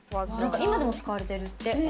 今でも使われてるって。